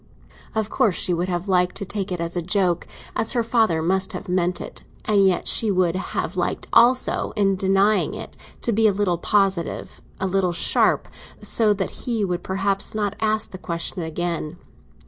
Of course she would have liked to take it as a joke—as her father must have meant it; and yet she would have liked, also, in denying it, to be a little positive, a little sharp; so that he would perhaps not ask the question again.